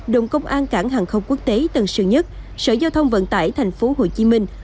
đồng công an cảng hàng không quốc tế tân sơn nhất sở giao thông vận tải thành phố hồ chí minh